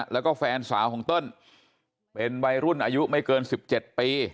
แล้วก็แฟนสาวของเติ้ลเป็นวัยรุ่นอายุไม่เกิน๑๗ปี